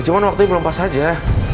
cuma waktunya belum pas aja